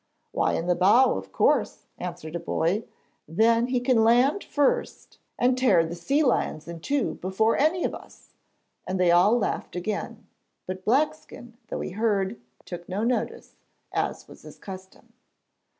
'Why, in the bow, of course,' answered a boy, 'then he can land first and tear the sea lions in two before any of us,' and they all laughed again. But Blackskin, though he heard, took no notice, as was his custom.